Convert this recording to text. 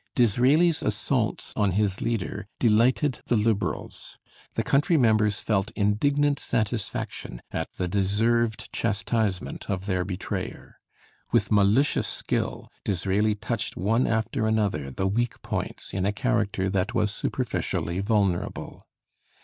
Disraeli's assaults on his leader delighted the Liberals; the country members felt indignant satisfaction at the deserved chastisement of their betrayer. With malicious skill, Disraeli touched one after another the weak points in a character that was superficially vulnerable.